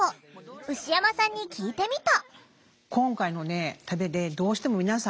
牛山さんに聞いてみた。